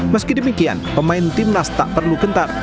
meski demikian pemain tim nas tak perlu kentar